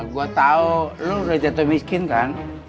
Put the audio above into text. gue tau lo udah jatuh miskin kan